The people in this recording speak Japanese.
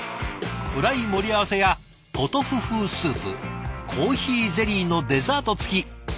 フライ盛り合わせやポトフ風スープコーヒーゼリーのデザートつき。